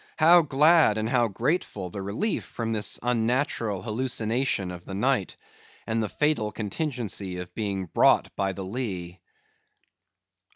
How glad and how grateful the relief from this unnatural hallucination of the night, and the fatal contingency of being brought by the lee!